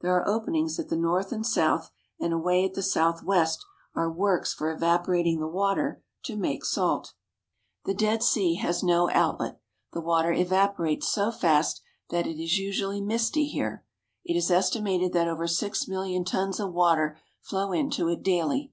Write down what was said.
There are openings at the north and south, and away at the southwest are works for evaporating the water to make salt. 135 THE HOLY LAND AND SYRIA The Dead Sea has no outlet. The water evaporates so fast that it is usually misty here. It is estimated that over six million tons of water flow into it daily.